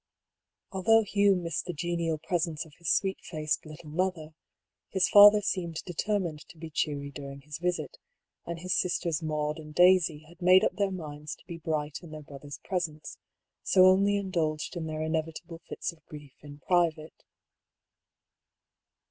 AN INITIAL LETTER. 19 Although Hugh missed the genial presence of his sweet faced little mother, his father seemed determined to be cheery during his visit, and his sisters Maud and Daisy had made up their minds to be bright in their brother's presence, so only indulged in their inevitable fits of grief in private.